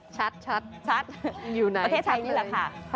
ชัดชัดชัดอยู่ไหนโอเคใช่นี่แหละค่ะค่ะ